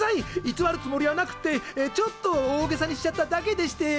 いつわるつもりはなくってちょっと大げさにしちゃっただけでして。